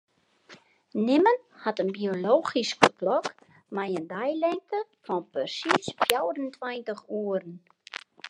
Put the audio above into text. Nimmen hat in biologyske klok mei in deilingte fan persiis fjouwerentweintich oeren.